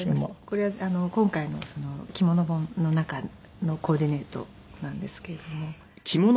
これは今回の着物本の中のコーディネートなんですけれども。